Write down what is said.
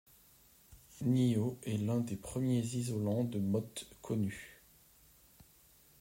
NiO est l'un des premiers isolants de Mott connus.